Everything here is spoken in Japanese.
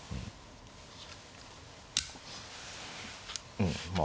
うんまあ